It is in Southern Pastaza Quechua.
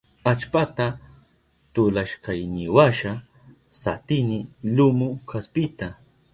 Allpata tulashkayniwasha satini lumu kaspita.